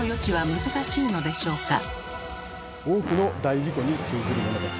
多くの大事故に通ずるものです。